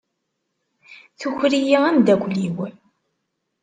Tuker-iyi amdakel-iw!